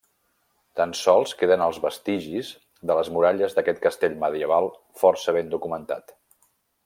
Tan sols queden els vestigis de les muralles d'aquest Castell Medieval força ben documentat.